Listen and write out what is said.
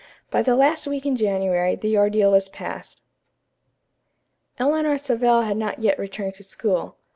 By the last week in January, the ordeal was past. Eleanor Savell had not yet returned to school.